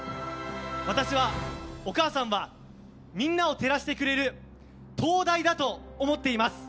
私はお母さんはみんなを照らしてくれる灯台だと思っています。